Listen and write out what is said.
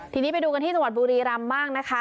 ทีนี้ไปดูกันที่จังหวัดบุรีรำบ้างนะคะ